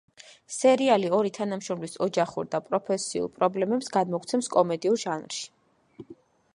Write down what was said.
სერიალი ორი თანამშრომლის ოჯახურ და პროფესიულ პრობლემებს გადმოგვცემს კომედიურ ჟანრში.